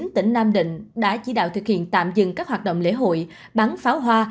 tỉnh nam định đã chỉ đạo thực hiện tạm dừng các hoạt động lễ hội bắn pháo hoa